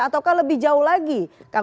atau lebih jauh lagi